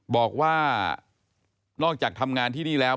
บอกว่านอกจากทำงานที่นี่แล้ว